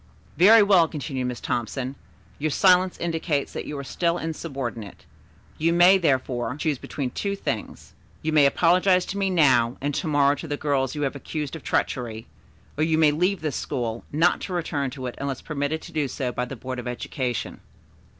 "Very well," continued Miss Thompson. "Your silence indicates that you are still insubordinate. You may, therefore, choose between two things. You may apologize to me now, and to morrow to the girls you have accused of treachery, or you may leave this school, not to return to it unless permitted to do so by the Board of Education."